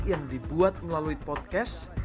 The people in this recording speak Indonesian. yang dibuat melalui podcast